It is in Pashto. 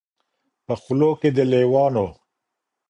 په خولو کي د لېوانو